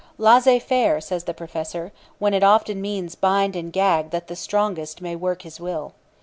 Laissez faire, says the professor, when it often means bind and gag that the strongest may work his will.